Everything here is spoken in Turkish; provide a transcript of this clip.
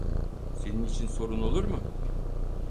Senin için sorun olur mu?